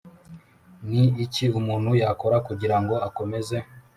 ni iki umuntu yakora kugira ngo akomeze